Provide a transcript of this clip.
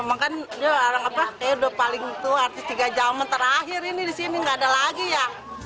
maka dia orang apa kayak udah paling tua artis tiga jaman terakhir ini disini gak ada lagi ya